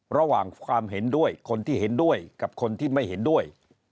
ระหว่างความเห็นด้วยคนที่เห็นด้วยกับคนที่ไม่เห็นด้วย